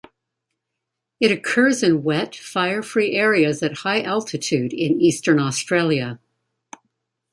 It occurs in wet, fire-free areas at high altitude in eastern Australia.